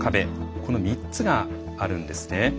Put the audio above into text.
この３つがあるんですね。